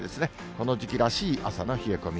この時期らしい朝の冷え込み。